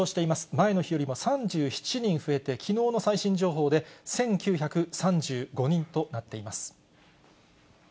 前の日よりも３７人増えて、きのうの最新情報で、１９３５人となっています。